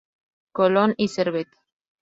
Colón y Servet.